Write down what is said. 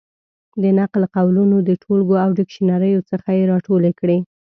د نقل قولونو د ټولګو او ډکشنریو څخه یې را ټولې کړې.